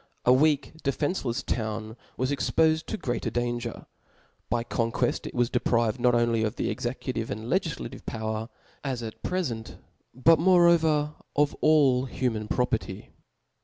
A weak defencelefs town was expofed to greater danger. By coii queft it was deprived , not only of the executive and Icgiflative power, as at prefenr, but moreover of all human property f*.